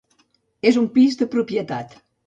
És un pis de propietat.